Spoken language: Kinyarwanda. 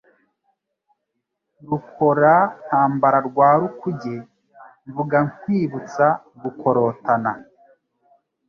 Rukora-ntambara rwa Rukuge, Mvuga nkwibutsa gukorotana.